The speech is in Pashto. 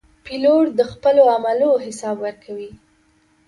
پیلوټ د خپلو عملو حساب ورکوي.